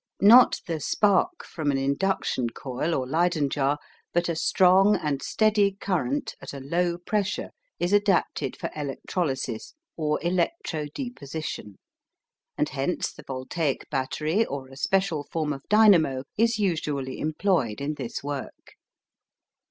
Not the spark from an induction coil or Leyden jar, but a strong and steady current at a low pressure, is adapted for electrolysis or electrodeposition, and hence the voltaic battery or a special form of dynamo is usually employed in this work.